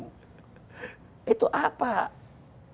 kita sudah harus stop perdebatan antara kampret dan cebong